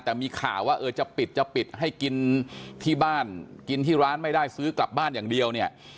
แต่มีข่าวว่าเออจะปิดจะปิดให้กินที่บ้านกินที่ร้านไม่ได้ซื้อกลับบ้านอย่างเดียวเนี่ย